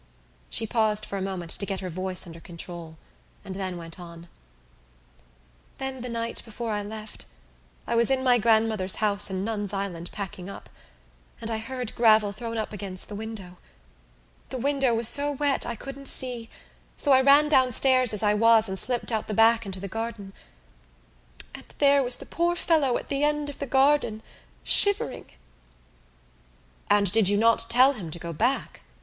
She paused for a moment to get her voice under control and then went on: "Then the night before I left I was in my grandmother's house in Nuns' Island, packing up, and I heard gravel thrown up against the window. The window was so wet I couldn't see so I ran downstairs as I was and slipped out the back into the garden and there was the poor fellow at the end of the garden, shivering." "And did you not tell him to go back?"